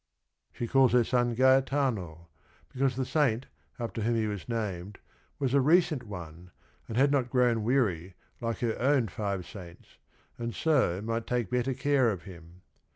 She calls her son Gaetano, because the saint after whom he was named was a recent one and had not grown weary like her own five saints, and so might take better care of him.